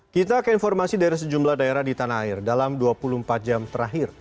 kita ke informasi dari sejumlah daerah di tanah air dalam dua puluh empat jam terakhir